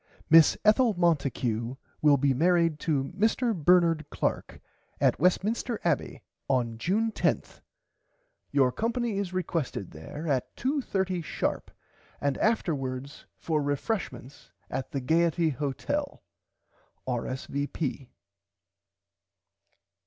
Miss Ethel Monticue will be married to Mr Bernard Clark at Westminster Abbey on June 10th. Your company is requested there at 2 30 sharp and afterwards for refreshment at the Gaierty Hotel. R.S.V.